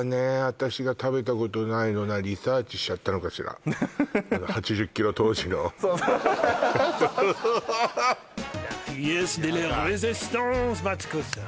私が食べたことないのリサーチしちゃったのかしら８０キロ当時のマツコさん